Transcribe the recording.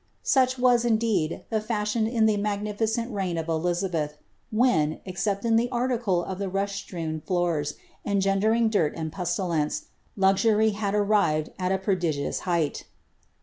'' Such was, indeed, the fashion in the magnificent reign of Elizabeih, when, except in the article of ihe rush sirewn tloors, engendering din and pestilence, luxury had arrived at a prodigious heig'ht.